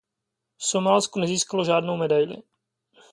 Somálsko nezískalo žádnou medaili.